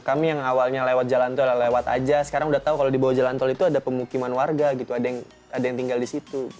kami yang awalnya lewat jalan tol lewat aja sekarang udah tau kalau di bawah jalan tol itu ada pemukiman warga gitu ada yang tinggal di situ